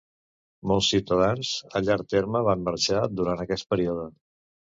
Molts ciutadans a llarg terme van marxar durant aquest període.